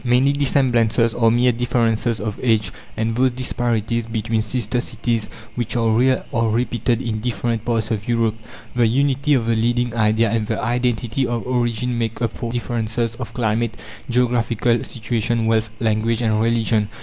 Many dissemblances are mere differences of age, and those disparities between sister cities which are real are repeated in different parts of Europe. The unity of the leading idea and the identity of origin make up for differences of climate, geographical situation, wealth, language and religion.